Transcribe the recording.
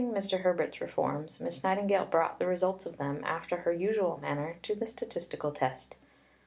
VI In recounting Mr. Herbert's reforms, Miss Nightingale brought the results of them, after her usual manner, to the statistical test.